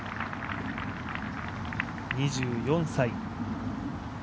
２４歳。